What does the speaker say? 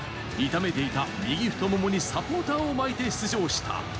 痛めていた右太ももにサポーターを巻いて出場した。